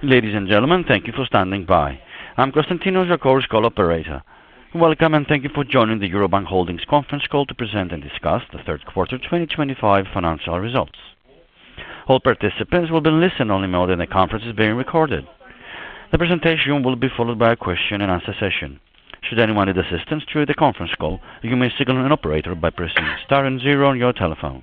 Ladies and gentlemen, thank you for standing by. I'm Konstantinos, your call operator. Welcome and thank you for joining the Eurobank Ergasias Services and Holdings S.A. conference call to present and discuss the third quarter 2025 financial results. All participants will be in listen-only mode and the conference is being recorded. The presentation will be followed by a question-and-answer session. Should anyone need assistance during the conference call, you may signal an operator by pressing star and zero on your telephone.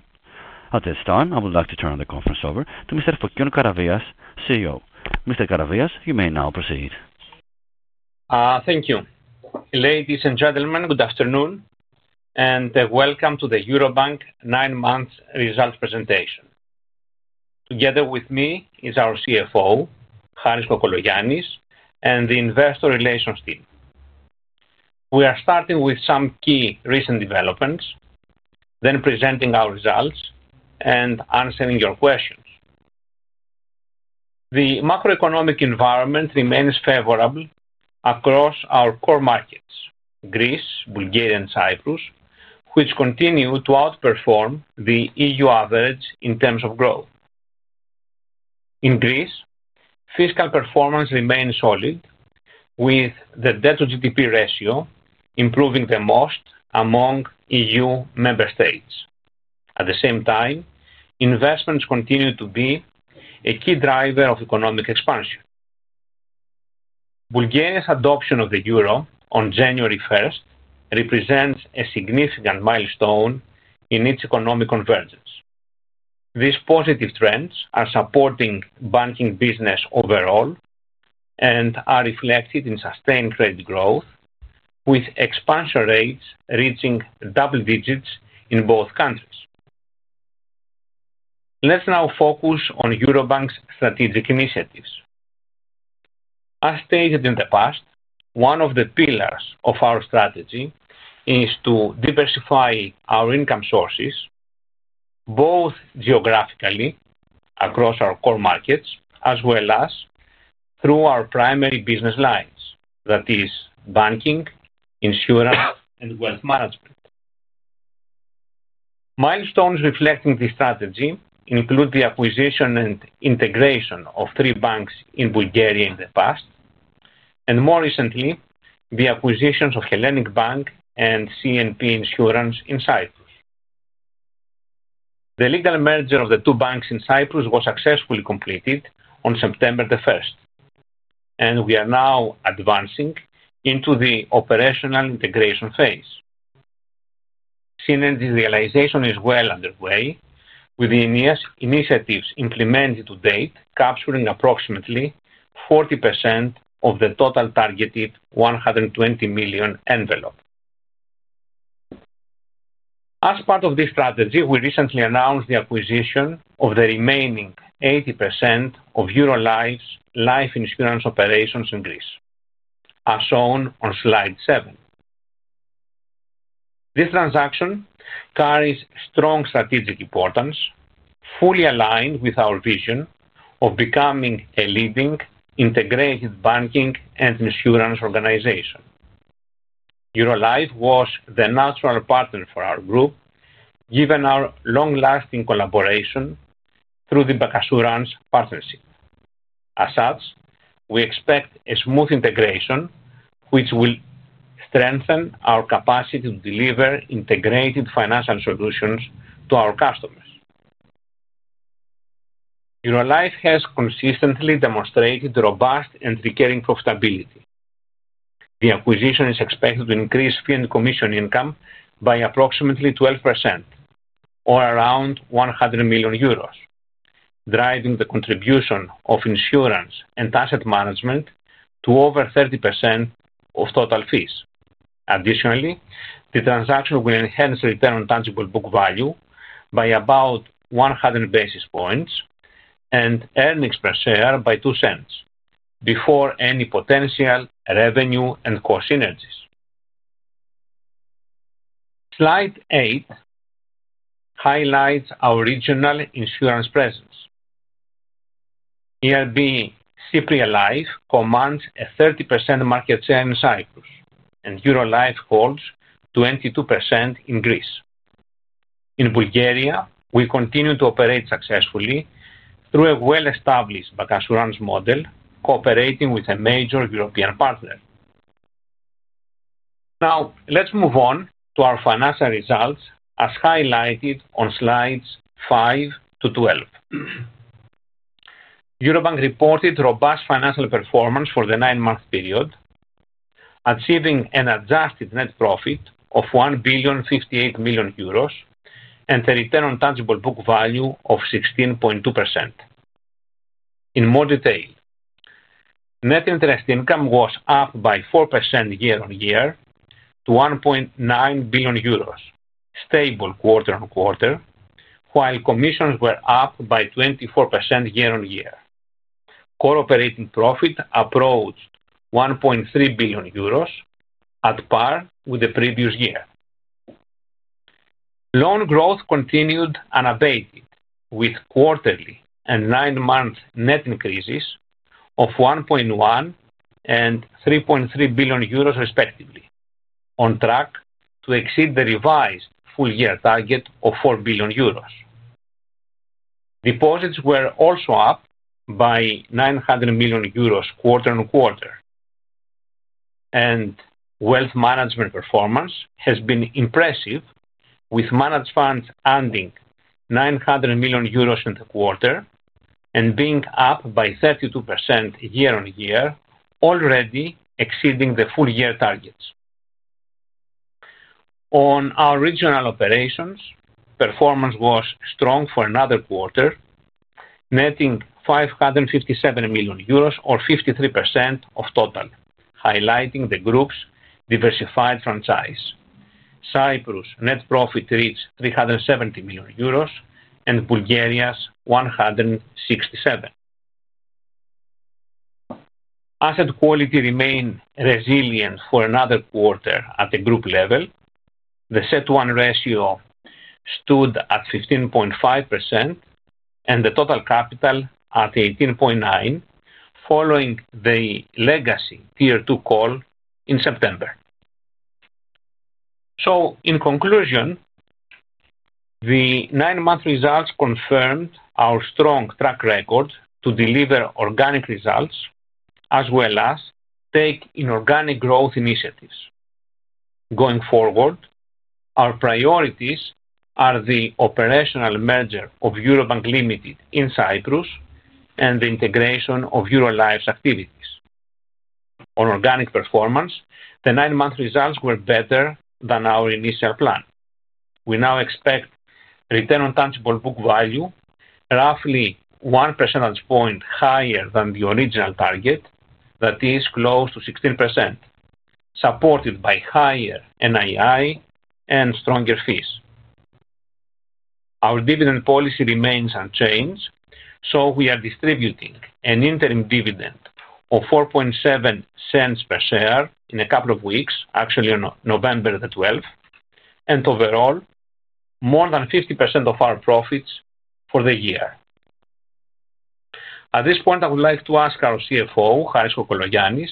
At this time I would like to turn the conference over to Mr. Fokion Karavias, CEO. Mr. Karavias, you may now proceed. Thank you. Ladies and gentlemen, good afternoon and welcome to the Eurobank nine months result presentation. Together with me is our CFO Harris Kokologiannis and the Investor Relations team. We are starting with some key recent developments, then presenting our results and answering your questions. The macroeconomic environment remains favorable across our core markets, Greece, Bulgaria, and Cyprus, which continue to outperform the EU average in terms of growth. In Greece, fiscal performance remains solid with the debt-to-GDP ratio improving the most among EU member states. At the same time, investments continue to be a key driver of economic expansion. Bulgaria's adoption of the euro on January 1st represents a significant milestone in its economic convergence. These positive trends are supporting banking business overall and are reflected in sustained rate growth with expansion rates reaching double digits in both countries. Let's now focus on Eurobank's strategic initiatives. As stated in the past, one of the pillars of our strategy is to diversify our income sources both geographically across our core markets as well as through our primary business lines, that is, banking, insurance, and wealth management. Milestones reflecting this strategy include the acquisition and integration of three banks in Bulgaria in the past and more recently the acquisitions of Hellenic Bank and CNP Insurance in Cyprus. The legal merger of the two banks in Cyprus was successfully completed on September 1st, and we are now advancing into the operational integration phase. Siemens digitalization is well underway with the initiatives implemented to date capturing approximately 40% of the total targeted 120 million envelope. As part of this strategy, we recently announced the acquisition of the remaining 80% of Eurolife's life insurance operations in Greece. As shown on slide 7, this transaction carries strong strategic importance, fully aligned with our vision of becoming a leading integrated banking and insurance organization. Eurolife was the natural partner for our group given our long-lasting collaboration through the bancassurance partnership. As such, we expect a smooth integration which will strengthen our capacity to deliver integrated financial solutions to our customers. Eurolife has consistently demonstrated robust and recurring profitability. The acquisition is expected to increase fee and commission income by approximately 12% or around 100 million euros, driving the contribution of insurance and asset management to over 30% of total fees. Additionally, the transaction will enhance return on tangible book value by about 100 basis points and earnings per share by 0.02 before any potential revenue and cost synergies. Slide 8 highlights our regional insurance presence. ERB Cyprialife commands a 30% market share in Cyprus and Eurolife holds 22% in Greece. In Bulgaria, we continue to operate successfully through a well-established bancassurance model, cooperating with a major European partner. Now let's move on to our financial results as highlighted on slides 5-12. Eurobank reported robust financial performance for the nine-month period, achieving an adjusted net profit of 1.058 billion euros and a return on tangible book value of 16.2%. In more detail, net interest income was up by 4% year-on-year to 1.9 billion euros, stable quarter-on-quarter, while commissions were up by 24% year-on-year. Core operating profit approached 1.3 billion euros, at par with the previous year. Loan growth continued unabated with quarterly and nine-month net increases of 1.1 billion and 3.3 billion euros respectively, on track to exceed the revised full-year target of 4 billion euros. Deposits were also up by 900 million euros quarter-on-quarter and wealth management performance has been impressive, with managed funds ending 900 million euros in the quarter and being up by 32% year-on-year, already exceeding the full-year targets. On our regional operations, performance was strong for another quarter, netting 557 million euros or 53% of total, highlighting the group's diversified franchise. Cyprus net profit reached 370 million euros and Bulgaria's 167 million. Asset quality remained resilient for another quarter. At the group level, the CET1 ratio stood at 15.5% and the total capital at 18.9% following the legacy Tier 2 call in September. In conclusion, the nine-month results confirmed our strong track record to deliver organic results as well as take inorganic growth initiatives. Going forward, our priorities are the operational merger of Eurobank Limited in Cyprus and the integration of Eurolife's activities. On organic performance, the nine-month results were better than our initial plan. We now expect return on tangible book value roughly 1 percentage point higher than the original target, that is close to 16% supported by higher NII and stronger fees. Our dividend policy remains unchanged, so we are distributing an interim dividend of $0.047 per share in a couple of weeks, actually on November 12th, and overall more than 50% of our profits for the year. At this point, I would like to ask our CFO Harris Kokologiannis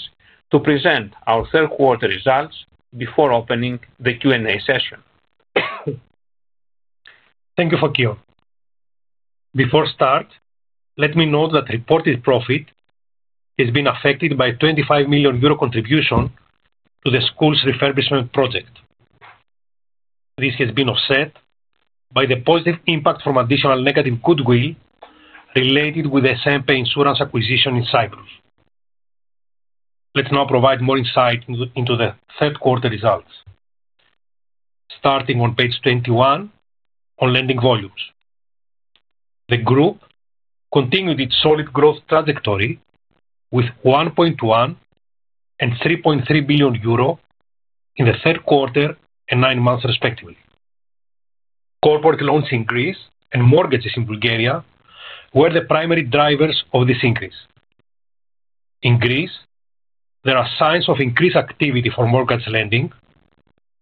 to present our third quarter results before opening the Q&A session. Thank you, Fokion. Before I start, let me note that reported profit has been affected by a 25 million euro contribution to the school's refurbishment project. This has been offset by the positive impact from additional negative goodwill related with the CNP Insurance acquisition in Cyprus. Let's now provide more insight into the third quarter results. Starting on page 21 on lending volumes, the group continued its solid growth trajectory with 1.1 billion and 3.3 billion euro in the third quarter and nine months respectively. Corporate loans in Greece and mortgages in Bulgaria were the primary drivers of this increase. In Greece, there are signs of increased activity for mortgage lending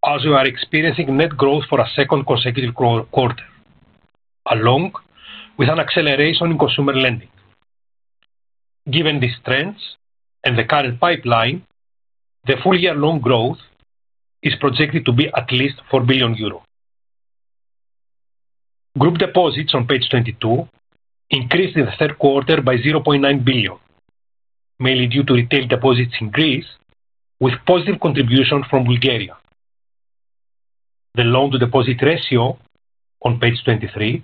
as we are experiencing net growth for a second consecutive quarter, along with an acceleration in consumer lending. Given these trends and the current pipeline, the full year loan growth is projected to be at least 4 billion euro. Group deposits on page 22 increased in the third quarter by 0.9 billion, mainly due to retail deposits in Greece, with positive contribution from Bulgaria. The loan to deposit ratio on page 23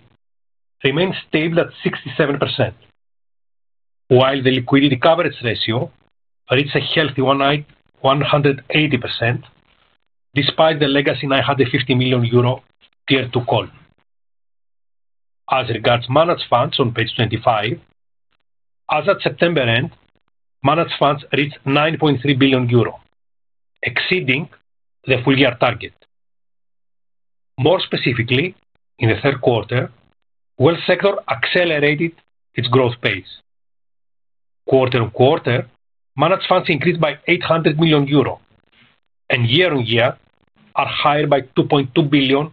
remains stable at 67% while the liquidity coverage ratio reached a healthy 180%. Despite the legacy 950 million euro Tier 2 call, as regards managed funds on page 25, as at September end managed funds reached 9.3 billion euro, exceeding the full year target. More specifically, in the third quarter, the wealth sector accelerated its growth pace. Quarter-on-quarter, managed funds increased by 800 million euro and year-on-year are higher by 2.2 billion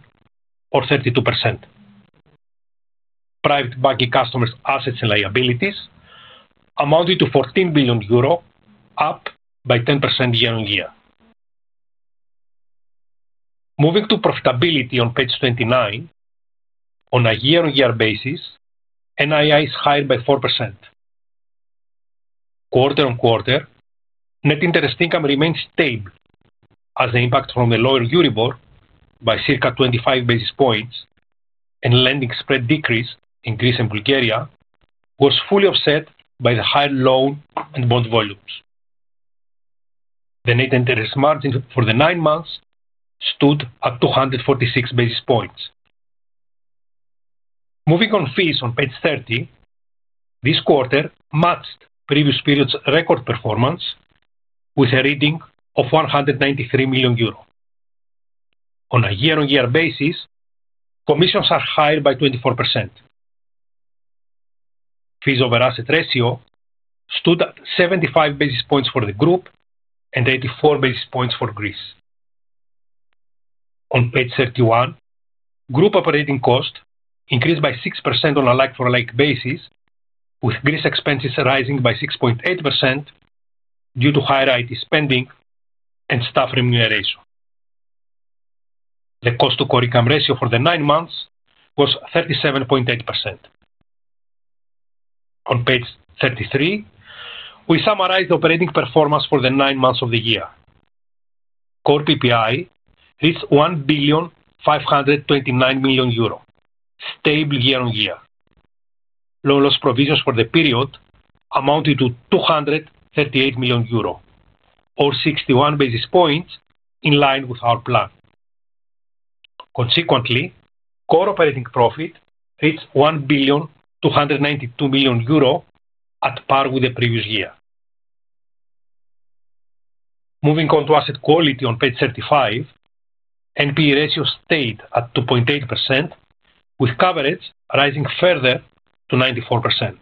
or 32%. Private banking customers' assets and liabilities amounted to 14 billion euro, up by 10% year-on-year. Moving to profitability on page 29, on a year-on-year basis NII is higher by 4% quarter-on-quarter, net interest income remains stable as the impact from the lower Euribor by circa 25 basis points and lending spread decrease in Greece and Bulgaria was fully offset by the higher loan and bond volumes. The net interest margin for the nine months stood at 246 basis points. Moving on, fees on page 30 this quarter matched previous period's record performance with a reading of 193 million euro on a year-on-year basis, commissions are higher by 24% fees over asset ratio stood at 75 basis points for the group and 84 basis points for Greece. On page 31, group operating cost increased by 6% on a like-for-like basis with Greece expenses rising by 6.8% due to higher IT spending and staff remuneration. The cost to core income ratio for the nine months was 37.8%. On page 33, we summarize the operating performance for the nine months of the year. Core PPI reached EUR 1.529 billion, stable year-on-year. Loan loss provisions for the period amounted to 238 million euro or 61 basis points, in line with our plan. Consequently, core operating profit reached 1.292 billion, at par with the previous year. Moving on to asset quality on page 35, NPE ratio stayed at 2.8% with coverage rising further to 94%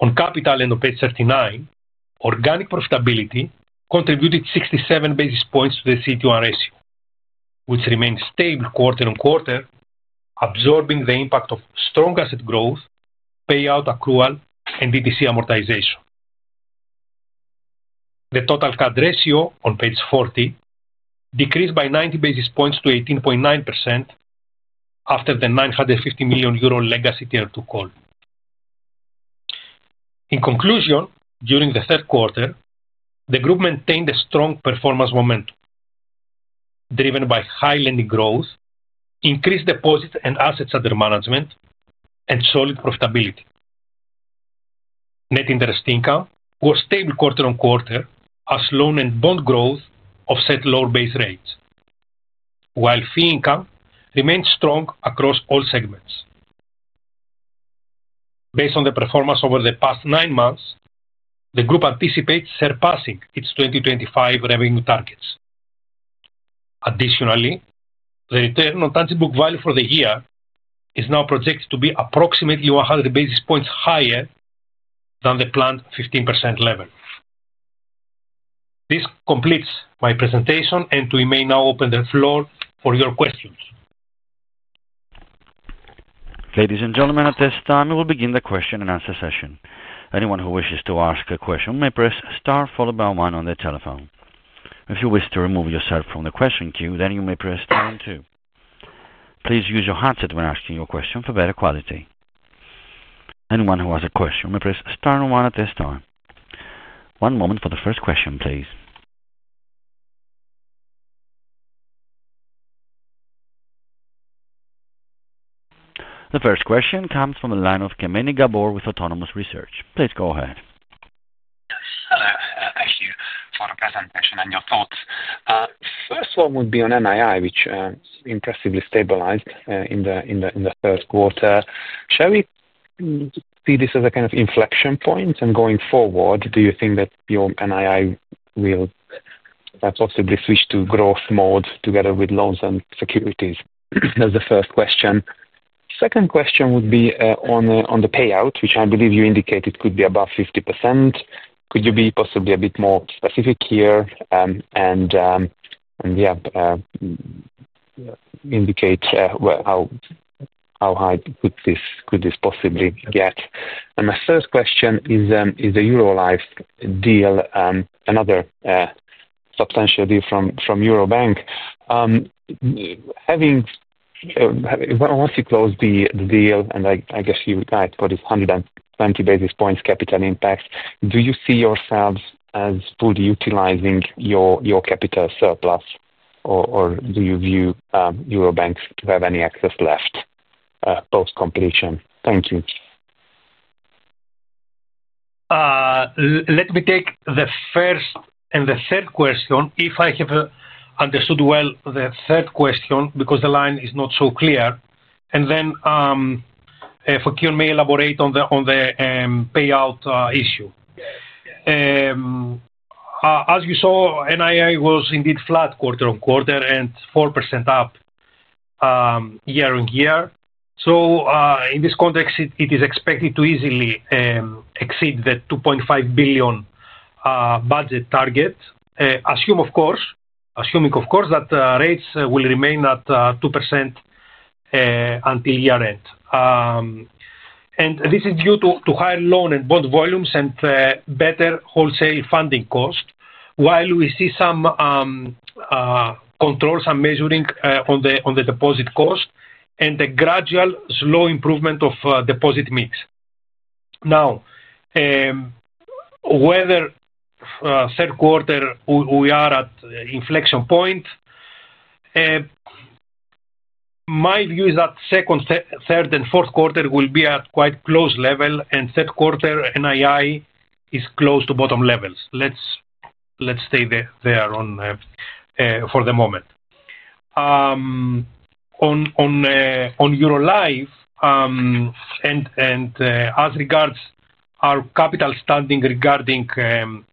on capital. End on page 39, organic profitability contributed 67 basis points to the CET1 ratio, which remained stable quarter-on-quarter, absorbing the impact of strong asset growth, payout accrual and DTC amortization. The total CAD ratio on page 40 decreased by 90 basis points to 18.9% after the 950 million euro legacy Tier 2 call. In conclusion, during the third quarter the group maintained a strong performance momentum, driven by high lending growth, increased deposits and assets under management, and solid profitability. Net interest income was stable quarter-on-quarter as loan and bond growth offset lower base rates, while fee income remains strong across all segments. Based on the performance over the past nine months, the group anticipates surpassing its 2025 revenue targets. Additionally, the return on tangible book value for the year is now projected to be approximately 100 basis points higher than the planned 15% level. This completes my presentation, and we may now open the floor for your questions. Ladies and gentlemen, at this time we will begin the question and answer session. Anyone who wishes to ask a question may press star followed by one on the telephone. If you wish to remove yourself from the question queue, then you may press star and two. Please use your handset when asking your question for better quality. Anyone who has a question may press star and one at this time. One moment for the first question, please. The first question comes from the line of Gabor Kemeny with Autonomous Research. Please go ahead. Hello. Thank you for the presentation and your thoughts. First one would be on NII, which impressively stabilized in the third quarter. Shall we see this as a kind of inflection point? Going forward, do you think that your NII will possibly switch mode together with loans and securities? That's the first question. Second question would be on the payout, which I believe you indicated could be above 50%. Could you be possibly a bit more specific here and indicate how high could this possibly get. My third question is the Eurolife deal, another substantial deal from Eurobank. Once you close the deal and I guess you got this 120 basis points capital impacts, do you see yourselves as fully utilizing your capital surplus or do you view Eurobank to have any excess left post completion? Thank you. Let me take the first and the third question. If I have understood well the third question because the line is not so clear, and then Fokion may elaborate on the payout issue. As you saw, NII was indeed flat quarter-on-quarter and 4% up year-on-year. In this context, it is expected to easily exceed the 2.5 billion budget target, assuming of course that rates will remain at 2% until year end, and this is due to higher loan and bond volumes and better wholesale funding cost. We see some control, some measuring on the deposit cost, and the gradual slow improvement of deposit mix. Now, whether third quarter we are at inflection point, my view is that second, third, and fourth quarter will be at quite close level, and third quarter NII is close to bottom levels. Let's stay there for the moment. On Eurolife and as regards our capital standing regarding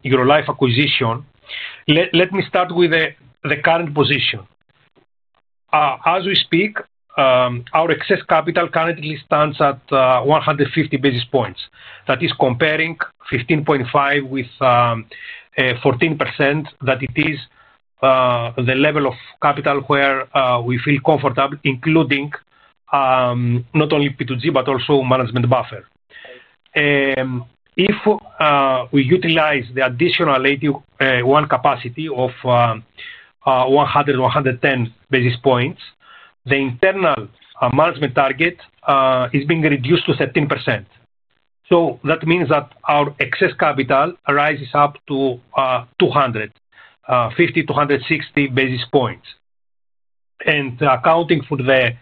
Eurolife acquisition, let me start with the current position. As we speak, our excess capital currently stands at 150 basis points. That is comparing 15.5% with 14%. That is the level of capital where we feel comfortable including not only P2G but also management buffer. If we utilize the additional AT1 capacity of 100-110 basis points, the internal management target is being reduced to 13%. That means that our excess capital rises up to 250-260 basis points. Accounting for the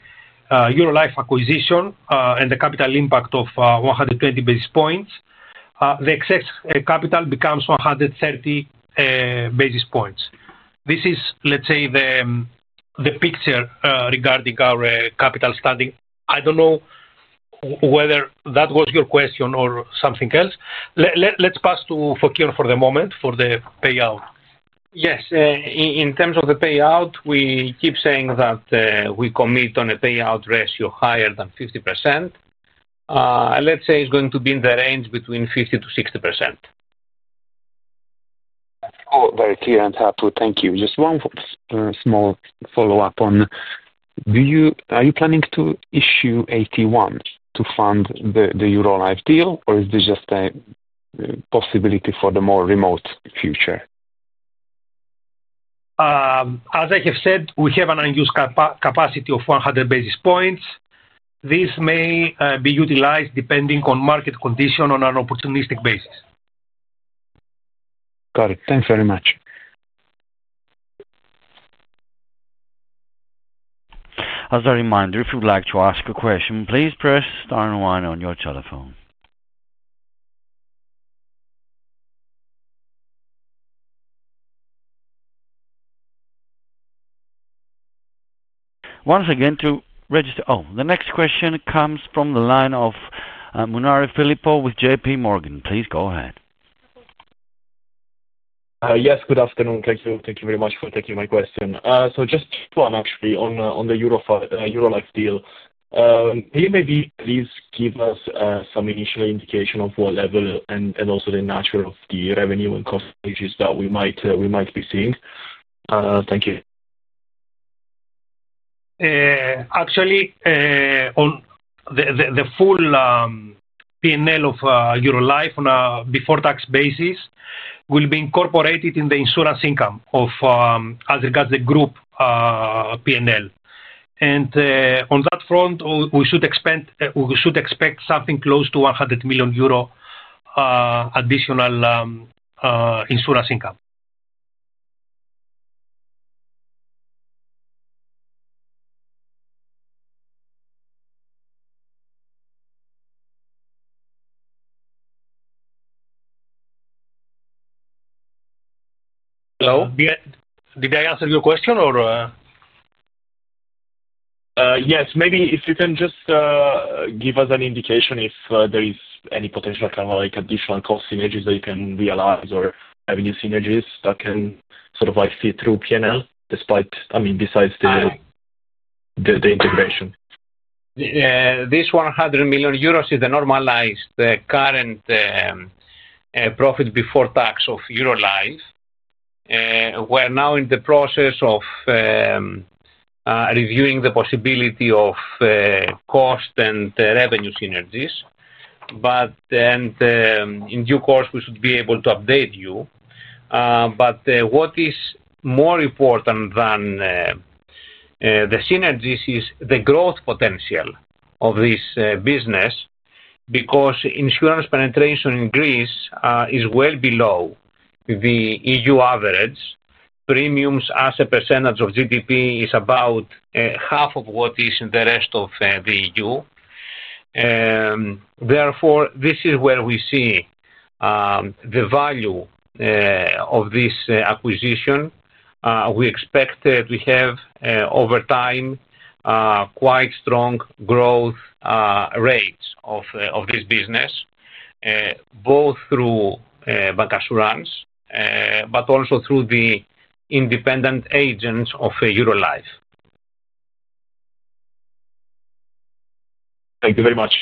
Eurolife acquisition and the capital impact of 120 basis points, the excess capital becomes 130 basis points. This is, let's say, the picture regarding our capital study. I don't know whether that was your question or something else. Let's pass to Fokion for the moment for the payout. Yes, in terms of the payout, we keep saying that we commit on a payout ratio higher than 50%. Let's say it's going to be in the range between 50%-60%. Very clear and helpful, thank you. Just one small follow-up on are you planning to issue AT1 to fund the Eurolife deal, or is this just a possibility for the more remote future? As I have said, we have an unused capacity of 100 basis points. This may be utilized depending on market condition on an opportunistic basis. Got it. Thanks very much. As a reminder, if you'd like to ask a question, please press star one on your telephone once again to register. The next question comes from the line of Filippo Munari with JPMorgan. Please go ahead. Yes, good afternoon. Thank you, thank you very much for taking my question. Just one actually, on the Eurolife deal, maybe please give us some initial indication of what level and also the nature of the revenue and cost issues that we might be seeing. Thank you. The full P&L of Eurolife on a before-tax basis will be incorporated in the insurance income as regards the group P&L. On that front, we should expect something close to 100 million euro additional insurance income. Hello? Did I answer your question? Yes, maybe if you can just give us an indication if there is any potential kind of like additional cost images that you can realize or avenue synergies that can sort of like fit through P&L despite. I mean besides the integration. 100 million euros is the normalized current profit before tax of Eurolife. We're now in the process of reviewing the possibility of cost and revenue synergies. In due course, we should be able to update you. What is more important than the synergies is the growth potential of this business, because insurance penetration in Greece is well below the EU average. Premiums as a percentage of GDP is about half of what it is in the rest of the EU. Therefore, this is where we see the value of this acquisition. We expect to have, over time, quite strong growth rates of this business, both through the bancassurance model, but also through the independent agents of Eurolife. Thank you very much.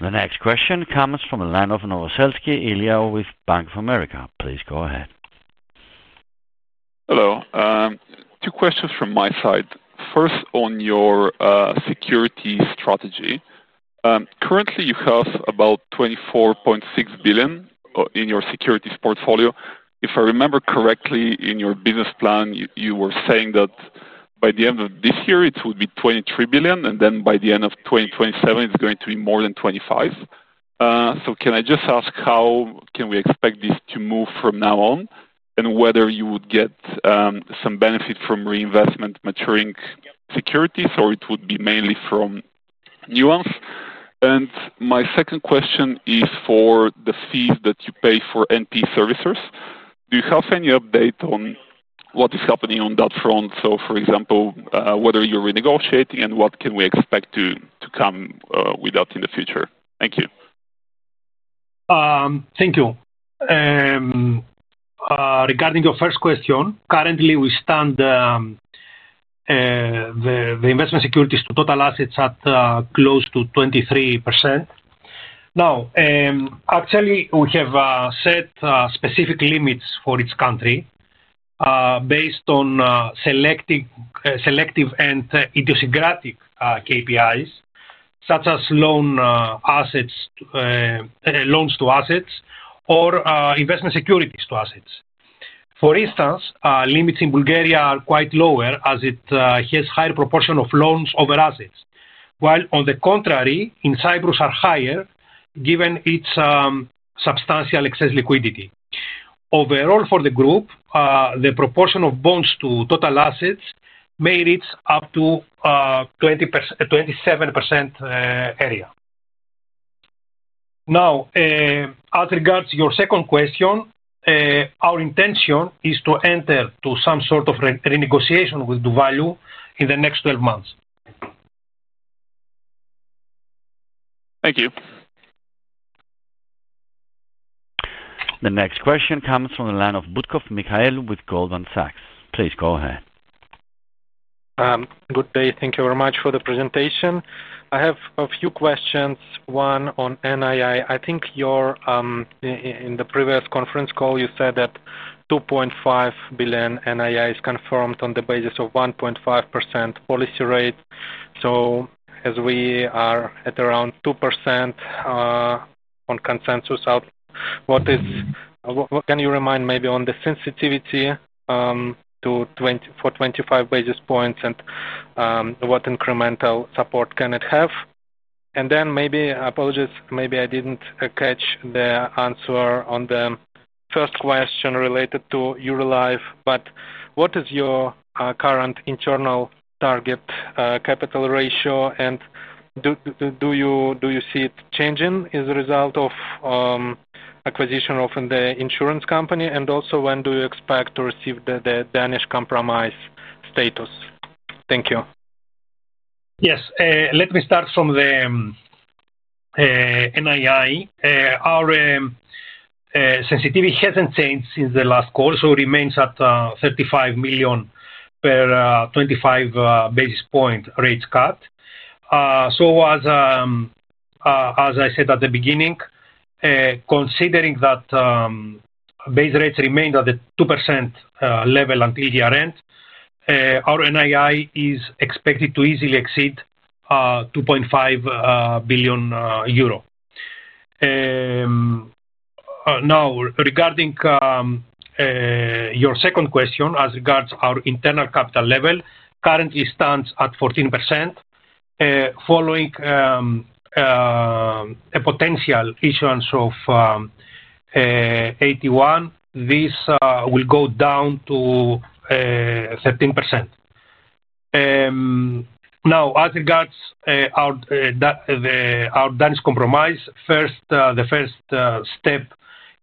The next question comes from the line of Ilija Novosselsky with Bank of America. Please go ahead. Hello. Two questions from my side. First, on your security strategy, currently you have about 24.6 billion in your securities portfolio. If I remember correctly, in your business plan you were saying that by the end of this year it would be 23 billion and then by the end of 2027 it's going to be more than 25 billion. Can I just ask, how can we expect this to move from now on and whether you would get some benefit from reinvestment of maturing securities or it would be mainly from new ones? My second question is for the fees that you pay for NP Servicers. Do you have any update on what is happening on that front? For example, whether you're renegotiating and what can we expect to come with that in the future? Thank you. Thank you. Regarding your first question, currently we stand the investment securities to total assets at close to 23%. Now, actually we have set specific limits for each country based on selective and idiosyncratic KPIs such as loans to assets or investment securities to assets. For instance, limits in Bulgaria are quite lower as it has higher proportion of loans over assets, while on the contrary in Cyprus are higher given its substantial excess liquidity. Overall, for the group, the proportion of bonds to total assets made it up to 27% area. Now, as regards your second question, our intention is to enter to some sort of renegotiation with doValue in the next 12 months. Thank you. The next question comes from the line of Mikhail Butkov with Goldman Sachs. Please go ahead. Good day. Thank you very much for the presentation. I have a few questions. One on NII, I think in the previous conference call you said that 2.5 billion NII is confirmed on the basis of 1.5% policy rate. As we are at around 2% on consensus out, what is, can you remind maybe on the sensitivity for 25 basis points and what incremental support can it have? Apologies, maybe I didn't catch the answer on the first question related to Eurolife, but what is your current internal target capital ratio? Do you see it changing as a result of acquisition of the insurance company? Also, when do you expect to receive the Danish compromise status? Thank you. Yes, let me start from the NII. Our sensitivity hasn't changed since the last call, so remains at 35 million per 25 basis point rate cut. As I said at the beginning, considering that base rates remained at the 2% level at TGRN, our NII is expected to easily exceed 2.5 billion euro. Now regarding your second question, as regards our internal capital level, currently stands at 14%. Following a potential issuance of AT1, this will go down to 13%. Now, as regards our Danish compromise, the first step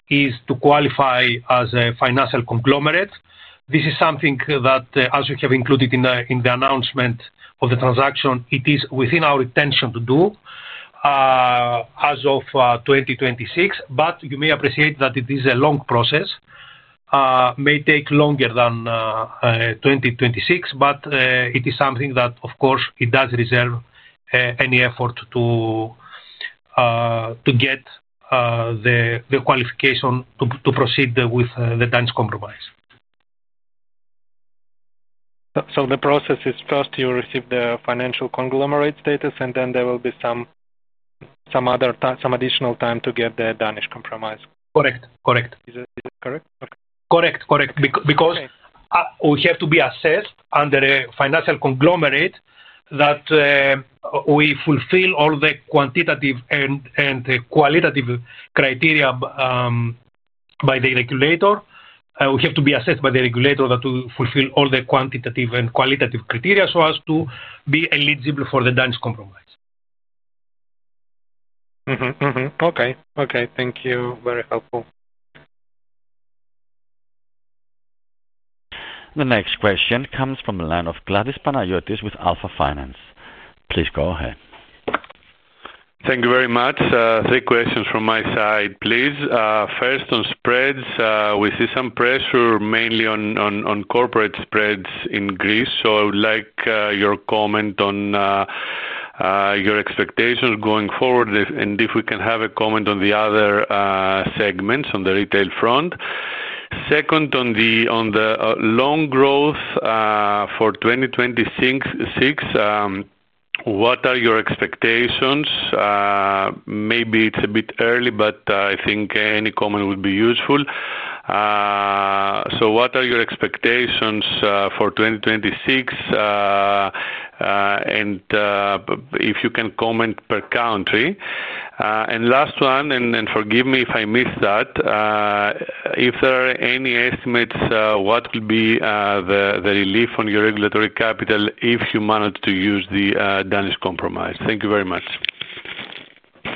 is to qualify as a financial conglomerate. This is something that, as we have included in the announcement of the transaction, it is within our intention to do as of 2026. You may appreciate that it is a long process, may take longer than 2026, but it is something that of course does deserve any effort to get the qualification to proceed with the Danish compromise. The process is first you receive the financial conglomerate status, and then there will be some additional time to get the Danish compromise. Is it correct? Correct. Correct. Correct. Because we have to be assessed under a financial conglomerate, we fulfill all the quantitative and qualitative criteria by the regulator. We have to be assessed by the regulator to fulfill all the quantitative and qualitative criteria so as to be eligible for the Dan's compromise. Okay. Okay, thank you. Very helpful. The next question comes from the line of Kladis Panagiotis with Alpha Finance. Please go ahead. Thank you very much. Three questions from my side, please. First, on spreads, we see some pressure mainly on corporate spreads in Greece. I would like your comment on your expectations going forward and if we can have a comment on the other segments on the retail front. Second, on the loan growth for 2026, what are your expectations? Maybe it's a bit early, but I think any comment would be useful. What are your expectations for 2026 and if you can comment per country, and last one, and forgive me if I missed that, if there are any estimates, what will be the relief on your regulatory capital if you manage to use the Danish compromise? Thank you very much.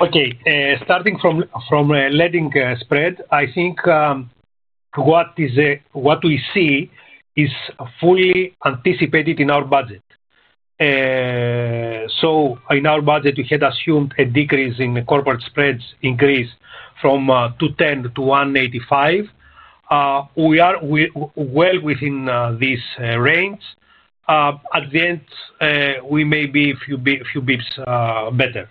Okay, starting from leading spread, I think what we see is fully anticipated in our budget. In our budget we had assumed a decrease in the corporate spreads increase from 210-185. We are well within this range. At the end we may be a few bps better.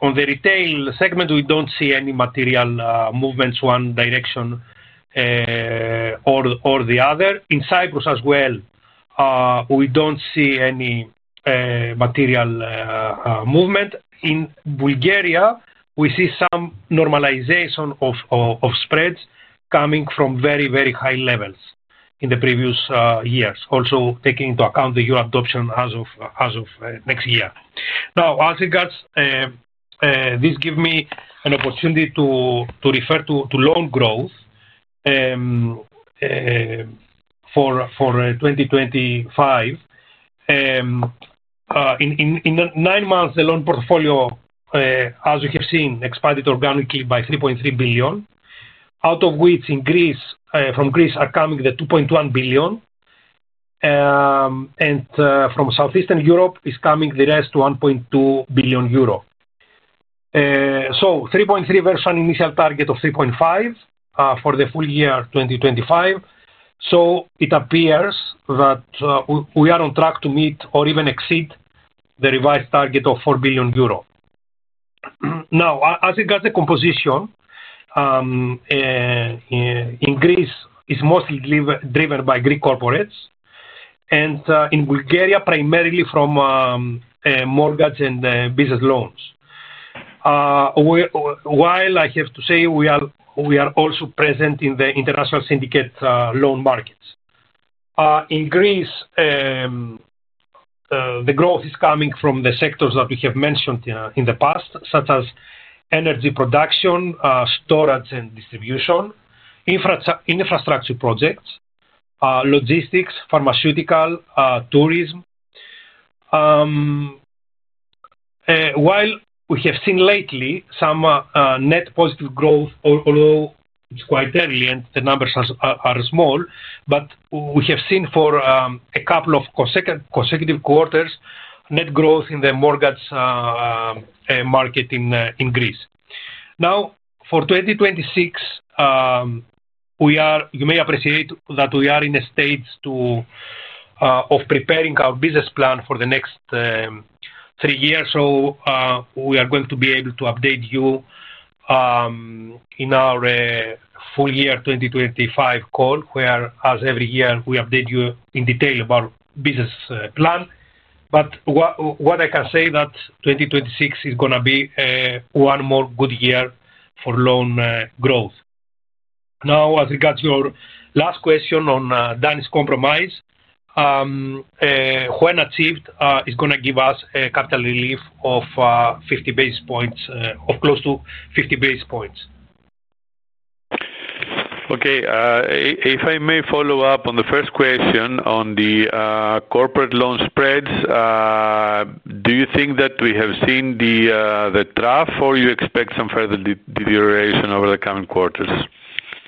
On the retail segment, we don't see any material movements one direction or the other. In Cyprus as well, we don't see any material movement. In Bulgaria we see some normalization of spreads coming from very, very high levels in the years. Also taking into account the euro adoption as of next year. As regards this, give me an opportunity to refer to loan growth for 2025. In nine months the loan portfolio, as you have seen, expanded organically by 3.3 billion, out of which from Greece are coming the 2.1 billion and from Southeastern Europe is coming the rest, 1.2 billion euro. So 3.3 billion versus initial target of 3.5 billion for the full year 2025. It appears that we are on track to meet or even exceed that revised target of 4 billion euro. Now as regards the composition, increase is mostly driven by Greek corporates and in Bulgaria primarily from mortgage and business loans. I have to say we are also present in the international syndicate loan Markets. In Greece, The growth is coming from the sectors that we have mentioned in the past, such as energy production, storage and distribution, infrastructure projects, logistics, pharmaceutical, tourism. While we have seen lately some net positive growth, although it's quite early and the numbers are small, we have seen for a couple of consecutive quarters net growth in the mortgage market in Greece. Now for 2026, you may appreciate that we are in a stage of preparing our business plan for the next three years. We are going to be able to update you in our full year 2025 call, where as every year we update you in detail about business plan. What I can say is that 2026 is going to be one more good year for loan growth. Now as regards your last question on Danish compromise, when achieved, is going to give us a capital relief of close to 50 basis points. Okay, if I may follow up on the first question on the corporate loan spreads, do you think that we have seen the trough, or you expect some further deterioration over the coming quarters?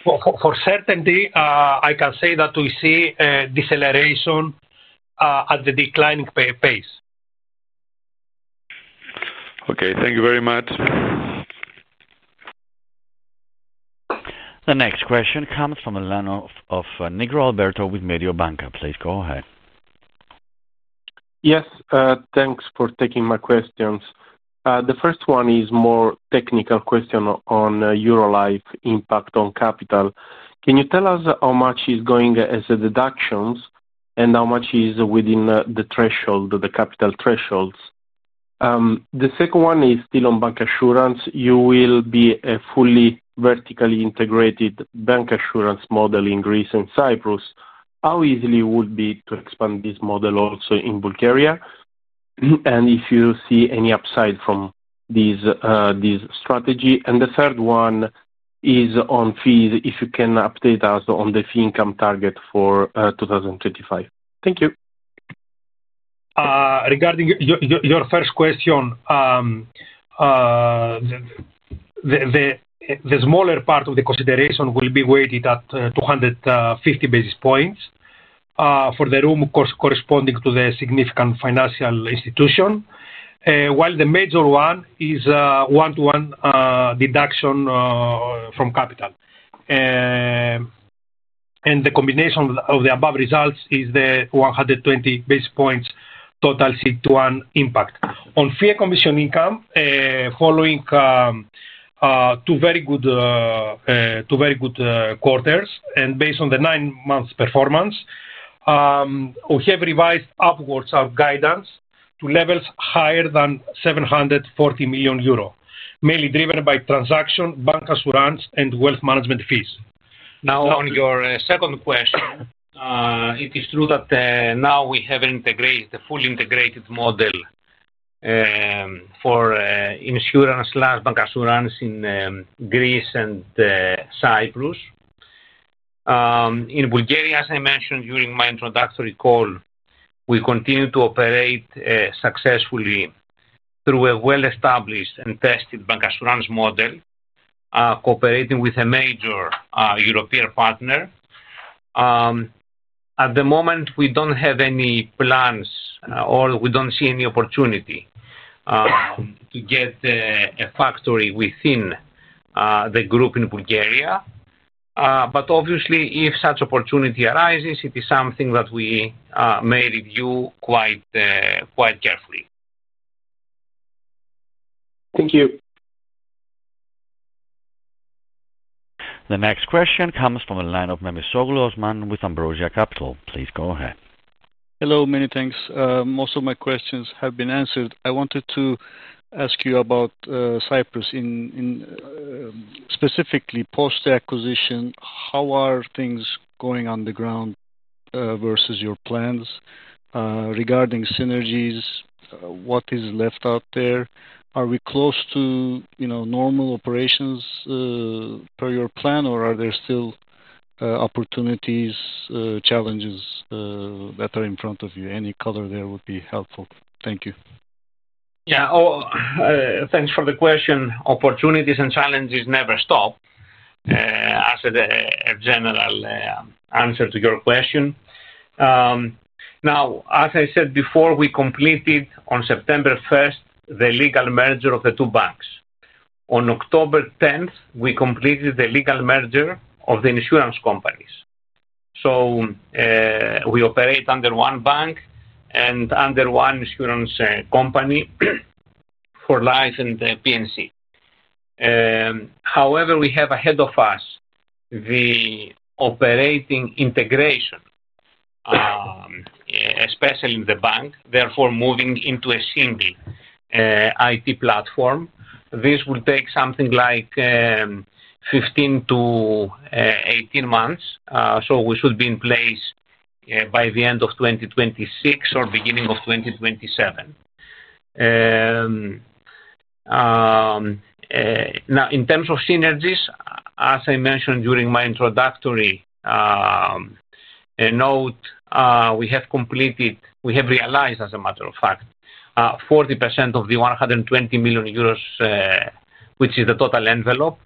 For certainty, I can say that we see deceleration at the declining pace. Okay, thank you very much. The next question comes from Alberto Nigro with Mediobanca. Please go ahead. Yes, thanks for taking my questions. The first one is a more technical question on Eurolife impact on capital. Can you tell us how much is going as a deduction and how much is within the capital thresholds? The second one is still on bancassurance. You will be a fully vertically integrated bancassurance model in Greece and Cyprus. How easy would it be to expand this model also in Bulgaria and if you see any upside from this strategy. The third one is on fees. If you can update us on the fee income target for 2025. Thank you. Regarding your first question, the smaller part of the consideration will be weighted at 250 basis points for the room corresponding to the significant financial institution. While the Major 1 is one to one deduction from capital. The combination of the above results is the 120 basis points total CET1 impact on fee and commission income. Following two very good quarters and based on the nine months performance, we have revised upwards our guidance to levels higher than 740 million euro, mainly driven by transaction bancassurance and wealth management fees. Now on your second question, it is true that now we have integrated the fully integrated model for insurance bancassurance in Greece and Cyprus. In Bulgaria, as I mentioned during my introductory call, we continue to operate successfully through a well-established and tested bancassurance model cooperating with a major European partner. At the moment we don't have any plans or we don't see any opportunity to get a factory within the group in Bulgaria. Obviously, if such opportunity arises it is something that we may review quite carefully. Thank you. The next question comes from the line of Osman Memisoglu with Ambrosia Capital. Please go ahead. Hello. Many thanks. Most of my questions have been answered. I wanted to ask you about Cyprus specifically post acquisition, how are things going on the ground versus your plans? Regarding synergies, what is left out there? Are we close to, you know, normal operations per your plan? Or are there still opportunities, challenges that are in front of you? Any color there would be helpful. Thank you. Thank you for the question. Opportunities and challenges never stop. As a general answer to your question now, as I said before, we completed on September 1 the legal merger of the two banks. On October 10th we completed the legal merger of the insurance companies. We operate under one bank and under one insurance company for Life and P&C. However, we have ahead of us the operating integration, especially in the bank, therefore moving into a single IT platform. This will take something like 15-18 months. We should be in place by the end of 2026 or beginning of 2027. In terms of synergies, as I mentioned during my introductory note, we have completed, we have realized as a matter of fact 40% of the 120 million euros which is the total envelope.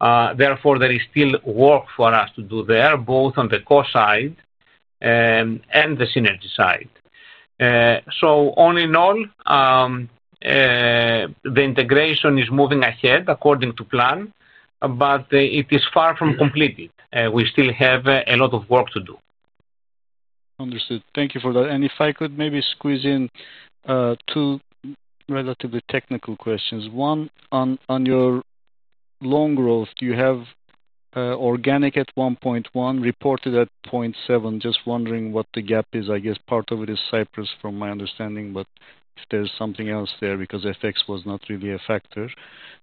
There is still work for us to do there both on the cost side and the synergy side. All in all, the integration is moving ahead according to plan, but it is far from completed. We still have a lot of work to do. Understood. Thank you for that. If I could maybe squeeze in two relatively technical questions. One, on your loan growth, do you have organic at 1.1% reported at 0.7%? Just wondering what the gap is. I guess part of it is Cyprus from my understanding. If there's something else there because FX was not really a factor.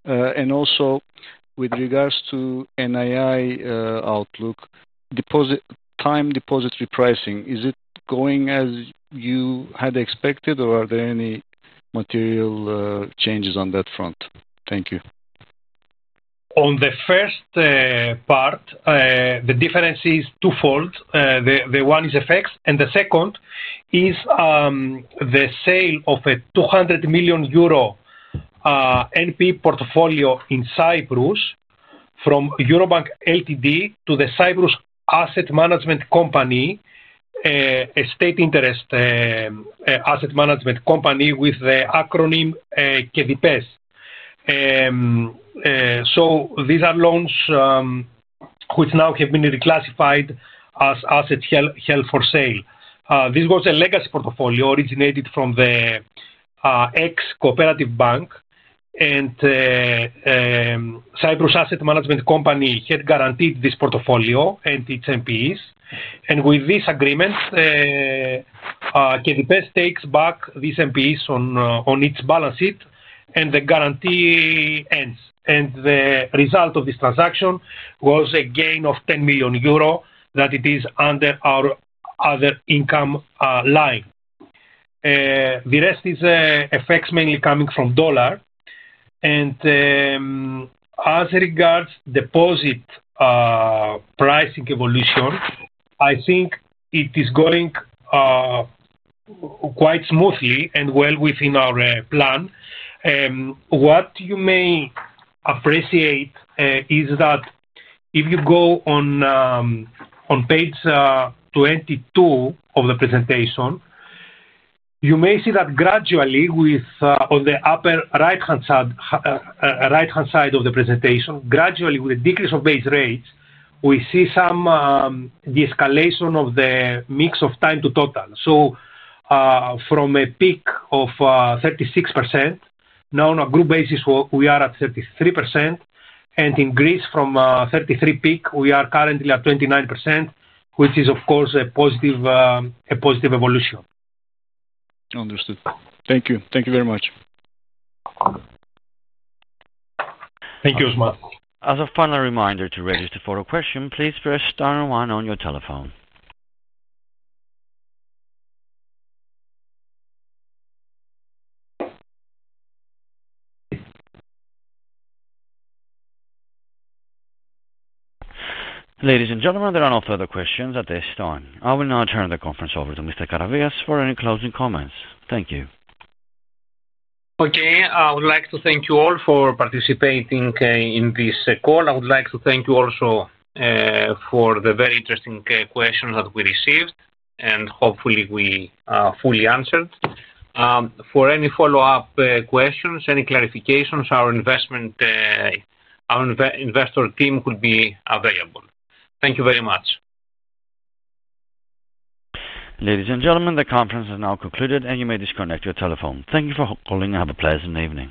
Also, with regards to NII outlook, deposit time, deposit repricing, is it going as you had expected or are there any material changes on that front? Thank you. On the first part the difference is twofold. The one is FX and the second is the sale of a 200 million euro NP portfolio in Cyprus from Eurobank S.A. to the Cyprus Asset Management Company Estate Interest Asset Management Company with the acronym, so these are loans which now have been reclassified as assets held for sale. This was a legacy portfolio originated from the ex Cooperative Bank and Cyprus Asset Management Company had guaranteed this portfolio and its NPEs. With this agreement, KDP takes back these NPEs on its balance sheet and the guarantee ends. The result of this transaction was a gain of 10 million euro that it is under our other income line. The rest is effects mainly coming from dollar and as regards deposit pricing evolution, I think it is going quite smoothly and well within our plan. What you appreciate is that if you go on page 22 of the presentation, you may see that gradually, with the upper right hand side, right hand side of the presentation, gradually with a decrease of base rates, we see some de-escalation of the mix of time to total. From a peak of 36% now on a group basis, we are at 33%. In Greece from 33% peak we are currently at 29%, which is of course a positive evolution. Understood. Thank you. Thank you very much. Thank you, Osman. As a final reminder to register for a question, please press star one on your telephone. Ladies and gentlemen, there are no further questions at this time. I will now turn the conference over to Mr. Karavias for any closing comments. Thank you. Okay. I would like to thank you all for participating in this call. I would like to thank you also for the very interesting questions that we received. Hopefully we fully answered. For any follow up questions, any clarifications, our investment, our investor team could be available. Thank you very much. Ladies and gentlemen, the conference has now concluded and you may disconnect your telephone. Thank you for calling and have a pleasant evening.